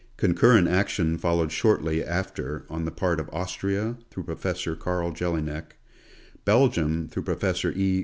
Con current action followed shortly after on the part of Austria, through Professor Carl Jelinek ; Belgium through Professor E.